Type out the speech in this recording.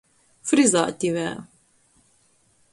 Frizātivē.